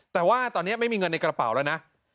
แต่ว่าตอนนี้ไม่มีเงินในกระเป๋าแล้วนะ